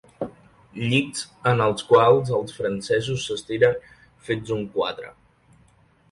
Llits en els quals els francesos s'estiren fets un quatre.